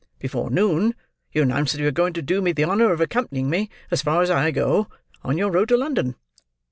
Before noon, you announce that you are going to do me the honour of accompanying me as far as I go, on your road to London.